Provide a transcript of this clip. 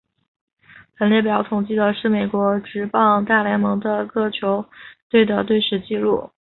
本列表统计的是美国职棒大联盟的各球队的队史纪录。